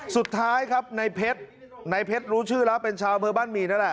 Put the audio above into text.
สุดท้ายครับในเพชรในเพชรรู้ชื่อแล้วเป็นชาวอำเภอบ้านหมี่นั่นแหละ